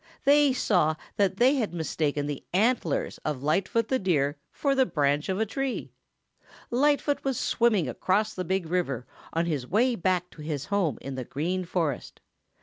They saw that they had mistaken the antlers of Lightfoot the Deer for the branch of a tree. Lightfoot was swimming across the Big River on his way back to his home in the Green Forest.